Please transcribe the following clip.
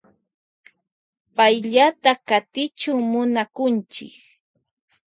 Payllata katichun ninakunchi.